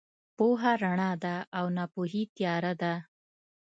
پوهه رڼا ده او ناپوهي تیاره ده.